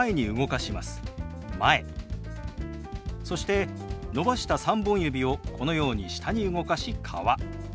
そして伸ばした３本指をこのように下に動かし「川」。